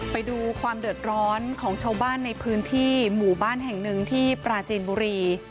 ไปดูความเดือดร้อนของชาวบ้านในพื้นที่หมู่บ้านแห่งหนึ่งที่ปราจีนบุรี